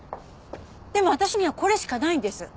でも私にはこれしかないんです。